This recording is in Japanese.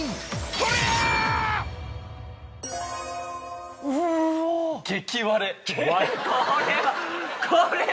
これはこれは！